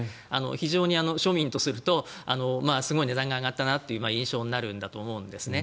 非常に庶民とするとすごい値段が上がったなという印象になるんだと思うんですね。